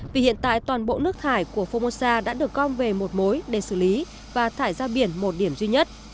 vì hiện tại toàn bộ nước thải của formosa đã được gom về một mối để xử lý và thải ra biển một điểm duy nhất